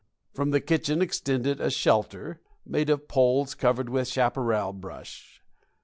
From the kitchen extended a "shelter" made of poles covered with chaparral brush.